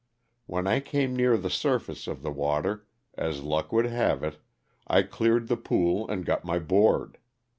When I came near the surface of the water, as luck would have it, I cleared the pool and got my board.